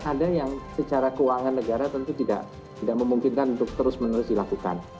ada yang secara keuangan negara tentu tidak memungkinkan untuk terus menerus dilakukan